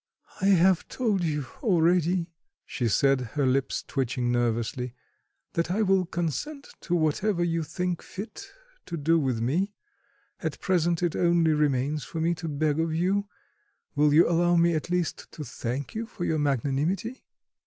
"I have told you already," she said, her lips twitching nervously, "that I will consent to whatever you think fit to do with me; at present it only remains for me to beg of you will you allow me at least to thank you for your magnanimity?"